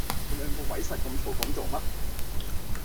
你兩個鬼殺咁嘈做乜